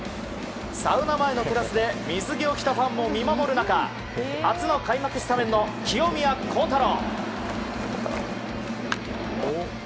サウナ前のテラスで水着を着たファンも見守る中初の開幕スタメンの清宮幸太郎。